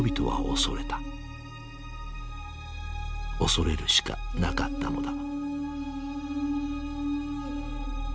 恐れるしかなかったのだ。